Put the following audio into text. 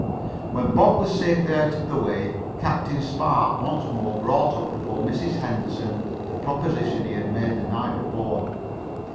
When Bob was safely out of the way Captain Spark once more brought up before Mrs. Henderson the proposition he had made the night before.